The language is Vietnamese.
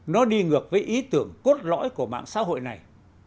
ngược với ý tưởng cốt lõi của mạng xã hội này